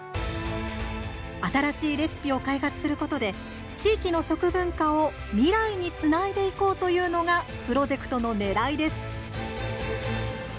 新しいレシピを開発することで地域の食文化を未来につないでいこうというのがプロジェクトのねらいです。